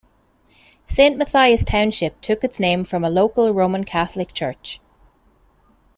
Saint Mathias Township took its name from a local Roman Catholic church.